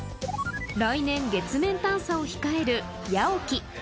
来年月面探査を控えるＹＡＯＫＩ